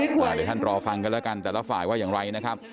เดี๋ยวท่านพรอฟังดรฟัยว่าอย่างไร